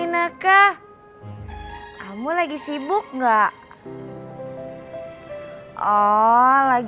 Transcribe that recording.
ntar siang beliin nasi padang ya bang